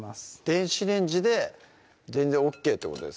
電子レンジで全然ＯＫってこと？